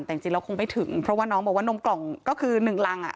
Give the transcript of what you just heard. แต่จริงแล้วคงไม่ถึงเพราะว่าน้องบอกว่านมกล่องก็คือหนึ่งรังอ่ะ